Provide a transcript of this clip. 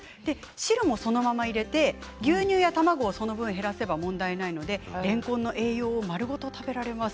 汁もそのまま入れて牛乳や卵をその分、減らせば問題ないので、れんこんの栄養も丸ごと食べられます。